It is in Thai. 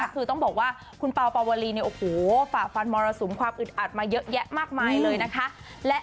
คือต้องบอกว่าคุณปาวอล์ฟาวาลีเกิดต้องเปิดฝากฟันมรสุมความอึดอัดเยอะแหยะมากมายเลย